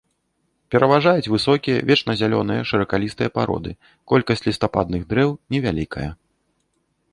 Пераважаюць высокія вечназялёныя шыракалістыя пароды, колькасць лістападных дрэў невялікая.